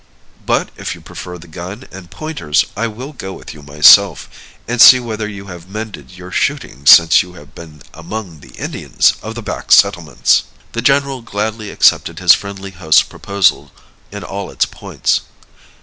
But if you prefer the gun and pointers, I will go with you myself, and see whether you have mended your shooting since you have been among the Indians of the back settlements." The general gladly accepted his friendly host's proposal in all its points.